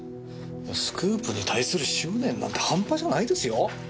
スクープに対する執念なんて半端じゃないですよ。